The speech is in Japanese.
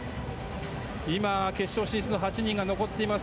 今、決勝進出の８人が残っています。